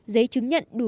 giấy chứng nhận đủ